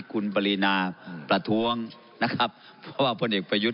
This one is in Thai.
คุณปรินาประท้วงนะครับเพราะว่าพลเอกประยุทธ์